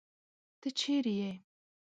تۀ چېرې ئې ؟